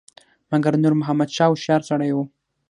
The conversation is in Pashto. مګر نور محمد شاه هوښیار سړی وو.